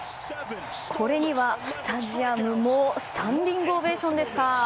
これにはスタジアムもスタンディングオベーション。